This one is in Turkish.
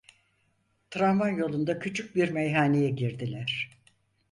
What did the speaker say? Tramvay yolunda küçük bir meyhaneye girdiler.